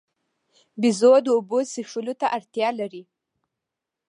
بیزو د اوبو څښلو ته اړتیا لري.